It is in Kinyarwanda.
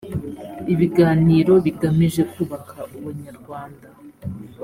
ibiganiro bigamije kubaka ubunyarwanda